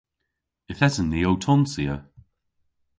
Yth esen ni ow tonsya.